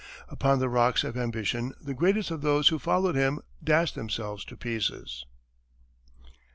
Upon the rocks of ambition the greatest of those who followed him dashed themselves to pieces.